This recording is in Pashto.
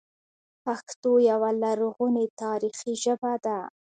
پښتو یوه لرغونې تاریخي ژبه ده